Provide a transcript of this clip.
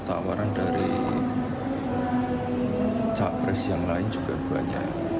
tawaran dari capres yang lain juga banyak